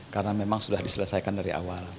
karena memang sudah diselesaikan dari awal